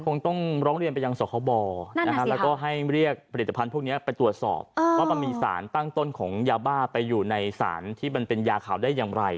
คงต้องร้องเรียนไปยังสคบแล้วก็ให้เรียกผลิตภัณฑ์พวกนี้ไปตรวจสอบว่ามันมีสารตั้งต้นของยาบ้าไปอยู่ในสารที่มันเป็นยาขาวได้อย่างไร